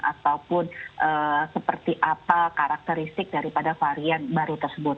ataupun seperti apa karakteristik daripada varian baru tersebut